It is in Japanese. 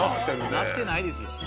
なってないですよ。